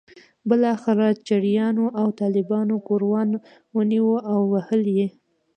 بالاخره چړیانو او طالبانو ګوروان ونیو او وهل یې.